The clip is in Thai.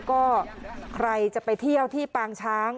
ก็ใครจะไปเที่ยวที่ปางช้าง